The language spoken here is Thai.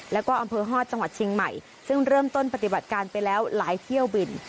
แล้วก็อำเภอฮอตจังหวัดเชียงใหม่ซึ่งเริ่มต้นปฏิบัติการไปแล้วหลายเที่ยวบิน